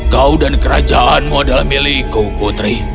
kau dan kerajaanmu adalah milikku putri